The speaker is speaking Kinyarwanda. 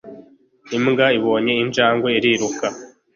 Imbwa ibonye injangwe iriruka